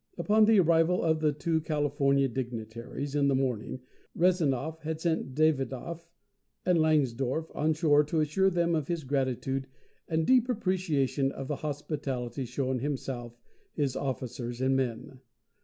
Upon the arrival of the two California dignitaries in the morning, Rezanov had sent Davidov and Langsdorff on shore to assure them of his gratitude and deep appreciation of the hospitality shown himself, his officers and men.